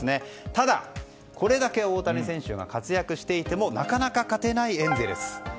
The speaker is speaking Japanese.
ただ、これだけ大谷選手が活躍していてもなかなか勝てないエンゼルス。